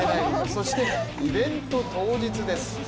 そしてイベント当日です。